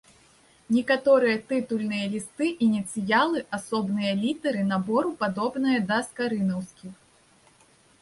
Некаторыя тытульныя лісты, ініцыялы, асобныя літары набору падобныя да скарынаўскіх.